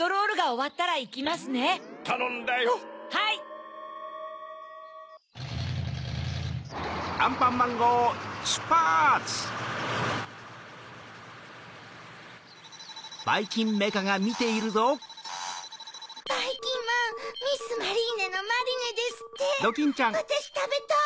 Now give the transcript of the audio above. わたしたべたい！